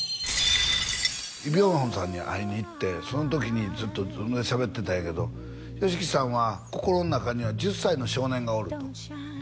イ・ビョンホンさんに会いに行ってその時にずっとしゃべってたんやけど「ＹＯＳＨＩＫＩさんは心の中には１０歳の少年がおる」とで